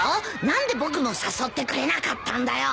何で僕も誘ってくれなかったんだよ？